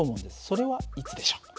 それはいつでしょう？